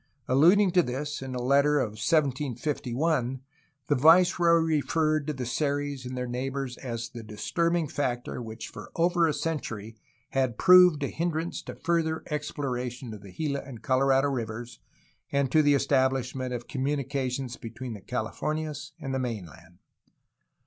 Alluding to this in a letter of 1751 the viceroy referred to the Seris and their neighbors as the disturbing factor which for over a century had proved a hindrance to further exploration of the Gila and Colorado rivers and to the establishment of communications between the Calif ornias and the mainland.